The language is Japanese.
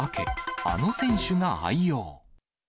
あの選手が愛用。